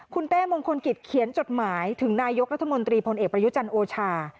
คุณเต้มงคลกิจเขียนจดหมายถึงนายกรัฐมนตรีพลเอกประยุจันทร์โอชา